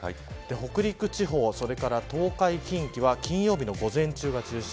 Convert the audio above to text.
北陸地方、それから東海、近畿は金曜日の午前中が中心